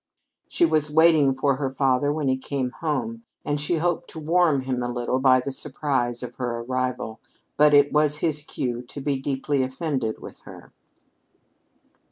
She was waiting for her father when he came home, and she hoped to warm him a little by the surprise of her arrival. But it was his cue to be deeply offended with her.